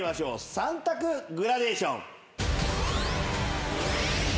３択グラデーション。